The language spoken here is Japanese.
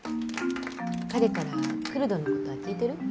彼からクルドのことは聞いてる？